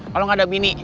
kalau gak ada bini